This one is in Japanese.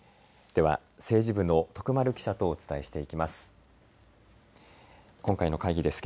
では、政治部の徳丸記者とお伝えしていきます。